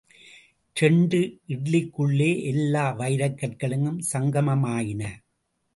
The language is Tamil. இரண்டு இட்லிக்குள்ளே எல்லா வைரக்கற்களும் சங்கமமாயின.